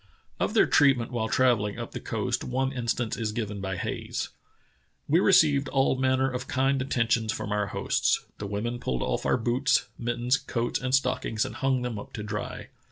Of their treatment while travelling up the coast one instance is given by Hayes :" We received all manner of kind attentions from our hosts. The women pulled off our boots, mittens, coats, and stockings and hung them up to dry.